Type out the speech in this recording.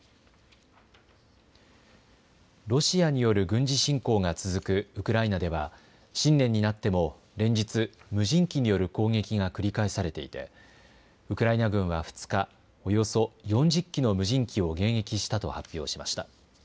ロシアによる軍事侵攻が続くウクライナでは、新年になっても連日、無人機による攻撃が繰り返されていて、ウクライナ軍は２日、およそ４０機の無人機を迎撃したと発表しました。